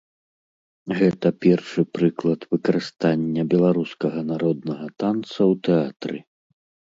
Гэта першы прыклад выкарыстання беларускага народнага танца ў тэатры.